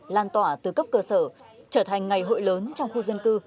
lan tỏa từ cấp cơ sở trở thành ngày hội lớn trong khu dân cư